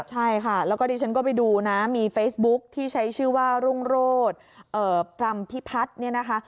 ใช่ค่ะแล้วก็ดิฉันก็ไปดูนะมีเฟซบุ๊คที่ใช้ชื่อว่ารุ่งโรธพรรมพิพัฒน์เนี่ยนะคะ